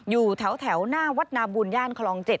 อยู่แถวหน้าวัดนาบุญย่านคลอง๗